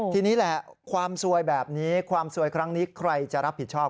ทีนี้แหละความซวยแบบนี้ความสวยครั้งนี้ใครจะรับผิดชอบ